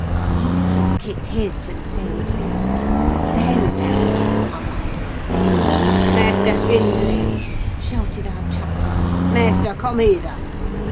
Heathcliff kicked his to the same place. Then there was a hubbub! "'Maister Hindley!' shouted our chaplain. 'Maister, coom hither!